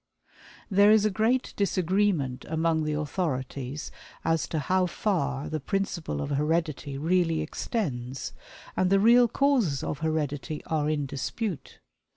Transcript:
There is a great disagreement among the authorities as to how far the principle of heredity really extends, and the real causes of heredity are in dispute.